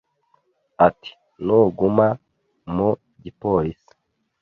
ati nuguma mu gipolisi